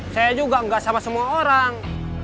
saya juga nggak sama semua orang